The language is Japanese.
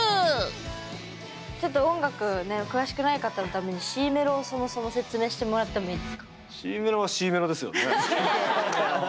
ちょっと音楽ね詳しくない方のためにＣメロをそもそも説明してもらってもいいですか？